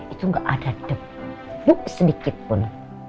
itu gak ada debu buk sedikit pun